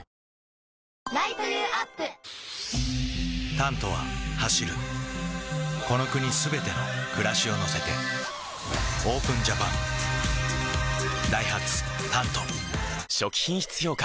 「タント」は走るこの国すべての暮らしを乗せてＯＰＥＮＪＡＰＡＮダイハツ「タント」初期品質評価